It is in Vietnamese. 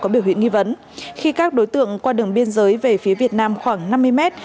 vị nghi vấn khi các đối tượng qua đường biên giới về phía việt nam khoảng năm mươi mét